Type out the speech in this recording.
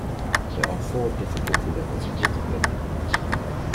There are four difficulty levels altogether.